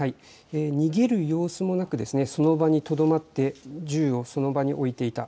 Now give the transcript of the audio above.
逃げる様子もなくその場にとどまって銃をその場に置いていた。